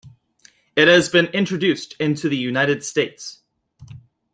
It has been introduced into the United States.